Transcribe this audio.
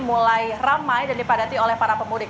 mulai ramai dan dipadati oleh para pemudik